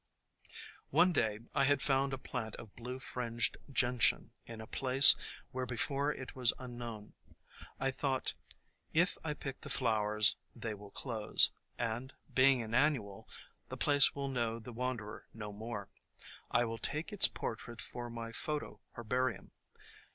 One day I had found a plant of Blue Fringed Gentian in a place where before it was unknown. I thought, "If I pick the flowers they will close, and, being an annual, the place will know the wanderer no more. I will take its portrait for my photo herbarium."